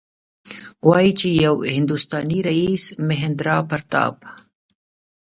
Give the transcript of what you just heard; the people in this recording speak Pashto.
وايي چې یو هندوستانی رئیس مهیندراپراتاپ.